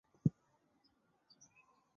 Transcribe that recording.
香港文学一向较自由及开放。